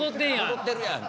「戻ってるやん！」